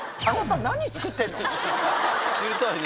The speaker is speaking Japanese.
知りたいね。